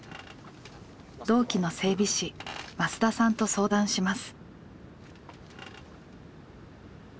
同期の整備士増田さんと相談します。